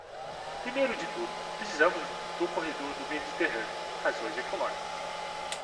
Primeiro de tudo, precisamos do corredor do Mediterrâneo por razões econômicas.